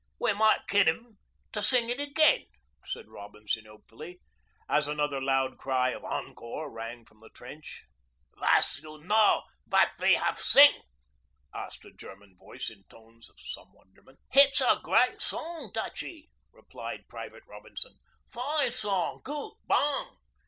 'We might kid 'em to sing it again,' said Robinson hopefully, as another loud cry of 'Encore!' rang from the trench. 'Was you know vat we haf sing?' asked a German voice in tones of some wonderment. 'It's a great song, Dutchie,' replied Private Robinson. 'Fine song goot bong!